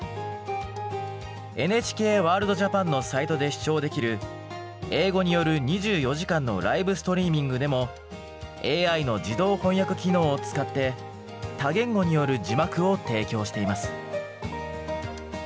ＮＨＫワールドＪＡＰＡＮのサイトで視聴できる英語による２４時間のライブストリーミングでもＡＩの自動翻訳機能を使って多言語による字幕を提供しています。